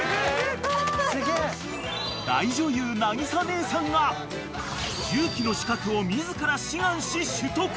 ［大女優なぎさ姉さんが重機の資格を自ら志願し取得］